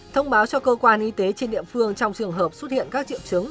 thông báo cho cơ quan y tế trên địa phương trong trường hợp xuất hiện các triệu chứng